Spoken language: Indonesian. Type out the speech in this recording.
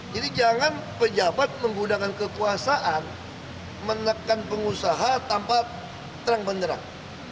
jadi jangan pejabat menggunakan kekuasaan menekan pengusaha tanpa terang berang